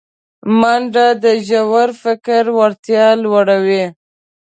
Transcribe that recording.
منډه د ژور فکر وړتیا لوړوي